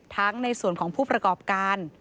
ในส่วนของผู้ประกอบการ